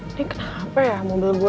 ini apa ya mobil gue